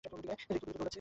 লি খুব দ্রুত দৌড়াচ্ছে!